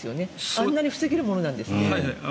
あんなに防げるものなんですね。